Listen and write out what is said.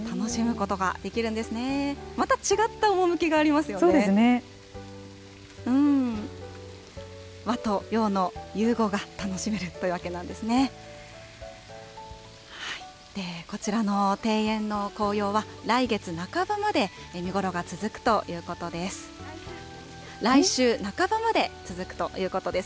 こちらの庭園の紅葉は、来月半ばまで見頃が続くということです。